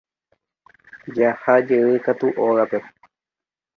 Jahajey katu ógape.